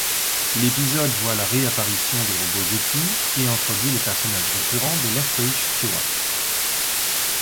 L'épisode voit la réapparition des robots-Yétis et introduit le personnage récurrent de Lethbridge-Stewart.